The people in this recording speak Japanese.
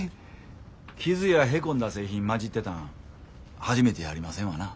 傷やへこんだ製品交じってたん初めてやありませんわな。